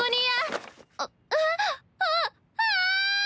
ああ！